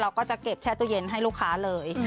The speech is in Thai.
ก็จะเก็บแช่ตู้เย็นให้ลูกค้าเลย